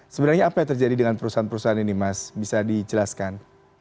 sebenarnya apa yang terjadi dengan perusahaan perusahaan ini mas bisa dijelaskan